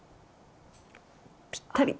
ぴったり！